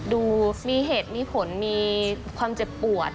ดูมีเหตุมีผลมีความเจ็บปวด